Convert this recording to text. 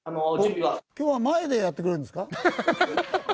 今日は前でやってくれるんですか？